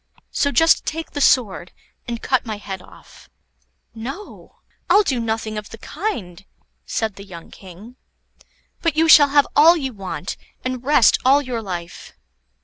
So just take the sword, and cut my head off." "No, I'll do nothing of the kind," said the young King; "but you shall have all you want, and rest all your life."